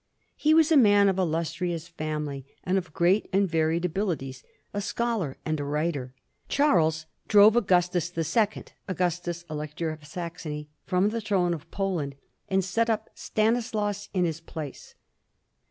He was a man of illustrious family and of great and varied abilities, a scholar and a writer. Charles dr6ve Augustus the Second, Augustus, Elector of Saxony, from the throne of Poland, and set up Stanislaus in his place.